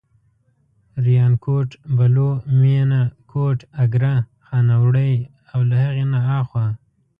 ریانکوټ، بلو، مېنه، کوټ، اګره، خانوړی او له هغې نه اخوا.